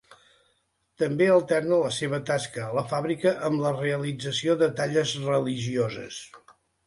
També alterna la seva tasca a la fàbrica amb la realització de talles religioses.